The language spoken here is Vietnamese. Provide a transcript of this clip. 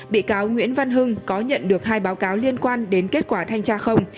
bị cáo nguyễn văn hưng có nhận được hai báo cáo liên quan đến kết quả thanh tra không